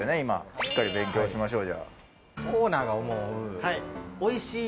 しっかり勉強しましょう。